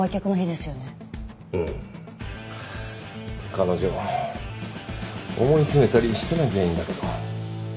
彼女思い詰めたりしてなきゃいいんだけど。